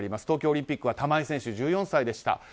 東京オリンピックは玉井選手が１４歳でした。